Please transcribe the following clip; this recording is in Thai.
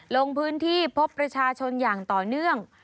ลงพื้นที่พบประชาชนอย่างต่อเนื่อง